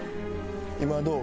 今どう？